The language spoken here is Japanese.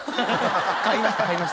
買いました